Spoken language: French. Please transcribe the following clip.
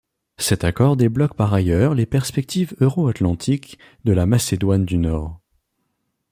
Cet accord débloque par ailleurs les perspectives euro-atlantiques de la Macédoine du Nord.